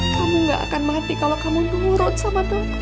kamu gak akan mati kalau kamu nurut sama dokter